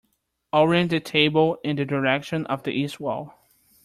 Orient the table in the direction of the east wall.